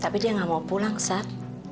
tapi dia gak mau pulang sat